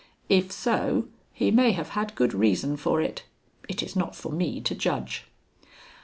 If so, he may have had good reason for it it is not for me to judge.